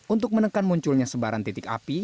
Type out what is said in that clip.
untuk menekan munculnya sebaran titik api